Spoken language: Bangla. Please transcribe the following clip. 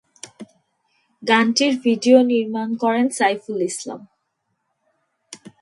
গানটির ভিডিও নির্মাণ করেন সাইফুল ইসলাম।